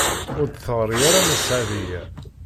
Ur d-teɣri ara Nna Seɛdiya.